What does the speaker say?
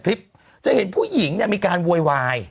คลิปจะเห็นผู้หญิงเนี่ยมีการโวยวาย